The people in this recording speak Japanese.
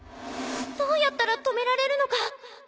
どうやったら止められるのか